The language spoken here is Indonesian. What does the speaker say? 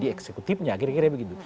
jadi eksekutifnya kira kira begitu